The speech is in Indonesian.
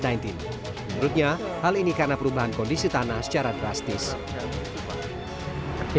menurutnya hal ini karena perubahan kondisi tanah secara drastis